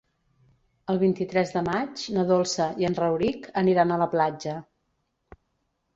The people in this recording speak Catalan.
El vint-i-tres de maig na Dolça i en Rauric aniran a la platja.